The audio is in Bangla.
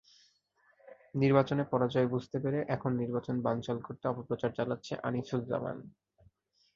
নির্বাচনে পরাজয় বুঝতে পেরে এখন নির্বাচন বানচাল করতে অপপ্রচার চালাচ্ছে আনিছুজ্জামান।